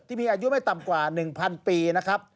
ที่มีอายุไม่ต่ำกว่า๑๐๐ปีนะครับ